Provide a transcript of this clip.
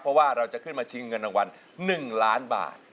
เพราะว่าเราจะขึ้นมาชิงเงินรางวัล๑ล้านบาท